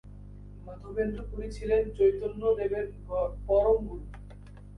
মাধবেন্দ্র পুরী ছিলেন চৈতন্যদেবের পরম গুরু।